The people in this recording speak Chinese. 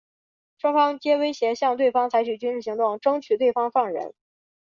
双方皆威胁向对方采取军事行动争取对方放人。